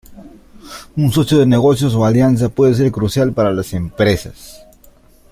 Un socio de negocios o alianza puede ser crucial para las empresas.